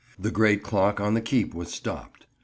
The great clock on the keep was stopped.